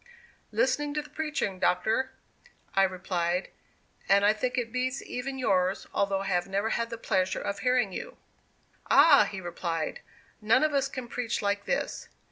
"Listening to the preaching, Doctor," I replied; "and I think it beats even yours, although I have never had the pleasure of hearing you." "Ah!" he replied, "none of us can preach like this.